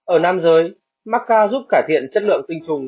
ở nam giới macca giúp cải thiện chất lượng tinh trùng